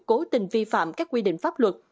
cố tình vi phạm các quy định pháp luật